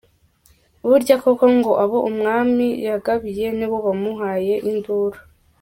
Burya koko ngo abo umwami yagabiye nibo bamuhaye induru !